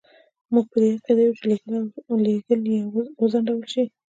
موږ په دې عقیده یو چې لېږل یې وځنډول شي.